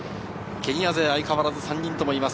ケニア勢相変わらず３人ともいます。